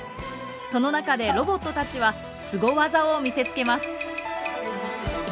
その中でロボットたちはすご技を見せつけます。